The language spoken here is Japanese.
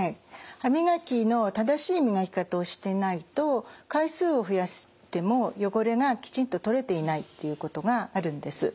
歯磨きの正しい磨き方をしてないと回数を増やしても汚れがきちんと取れていないっていうことがあるんです。